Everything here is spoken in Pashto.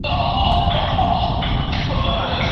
هیلۍ وویل کشپه یوه چار سته